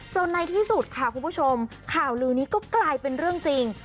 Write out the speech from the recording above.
จนในที่สุดข่าวลือนี้กลายเป็นเรื่องจริง